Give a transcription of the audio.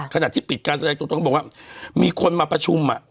ขนาดที่ปิดการสัญลักษณ์ตรงตรงบอกว่ามีคนมาประชุมอ่ะ